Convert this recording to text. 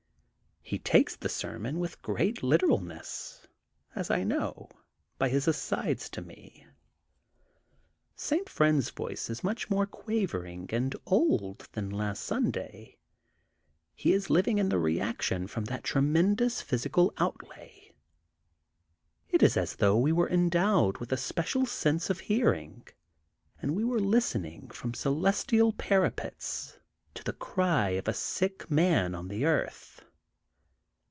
He takes the ser mon with great literalness, as I know, by his asides to me. St. Friend's voice is much more quavering and old than last Sunday. He is living in the reaction from that tremendous physical out lay. It is as though we were endowed with a special sense of hearing and were listening from celestial parapets to the cry of a sick man on the earth.